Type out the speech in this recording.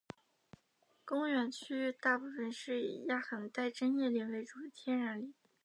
公园区域大部分是以亚寒带针叶林为主的天然林。